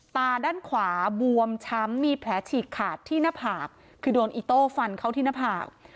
ตาด้านขวาบวมช้ำมีแผลฉีกขาดที่หน้าผากคือโดนอิโต้ฟันเข้าที่หน้าผาก